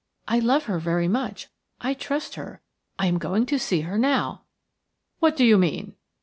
I love her very much. I trust her. I am going to see her now." "What do you mean?"